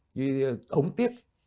cái ống tiết